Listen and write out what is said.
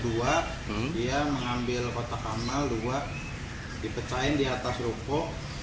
dia mengambil kotak amal dua dipecahin di atas ruko